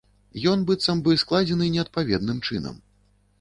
Ён быццам бы складзены неадпаведным чынам.